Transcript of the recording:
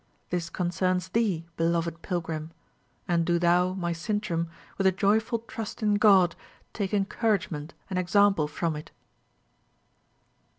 This concerns thee, beloved pilgrim; and do thou, my Sintram, with a joyful trust in God, take encouragement and example from it."